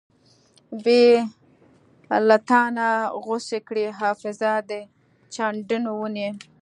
بې لتانۀ غوڅې کړې حافظه د چندڼو ونې